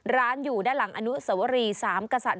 ร้านอยู่ด้านหลังอนุสวรีสามกษัตริย